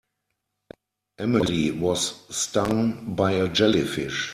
Emily was stung by a jellyfish.